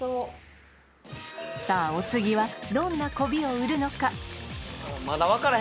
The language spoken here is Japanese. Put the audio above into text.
さあお次はどんなこびを売るのか？